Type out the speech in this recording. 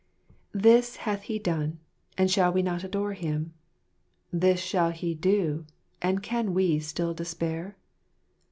This hath He done ; and shall we not adore Him ? This shall He do ; and can we still despair